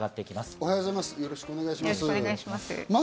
おはようございます。